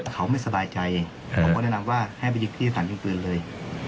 แต่เขาไม่สบายใจผมก็แนะนำว่าให้ไปยึดที่สถานยิงปืนเลย